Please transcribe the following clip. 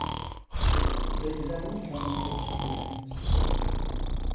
دەیزانی کە من خۆشم دەوێت.